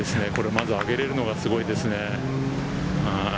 まず上げられるのがすごいですね。